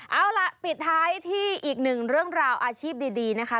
เอาล่ะปิดท้ายที่อีกหนึ่งเรื่องราวอาชีพดีนะคะ